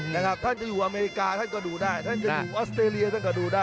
นะครับท่านจะอยู่อเมริกาท่านก็ดูได้ท่านจะอยู่ออสเตรเลียท่านก็ดูได้